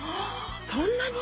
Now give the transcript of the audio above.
そんなに？